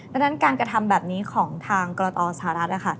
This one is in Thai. ดังนั้นการกระทำแบบนี้ของทางกรตสหรัฐ